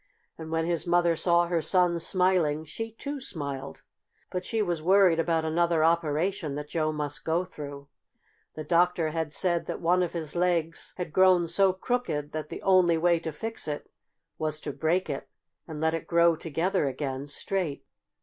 And when his mother saw her son smiling, she, too, smiled. But she was worried about another operation that Joe must go through. The doctor had said that one of his legs had grown so crooked that the only way to fix it was to break it, and let it grow together again, straight.